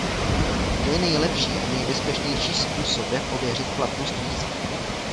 To je nejlepší a nejbezpečnější způsob jak ověřit pravost víza.